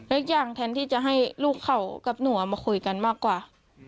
อีกอย่างแทนที่จะให้ลูกเขากับหนูมาคุยกันมากกว่า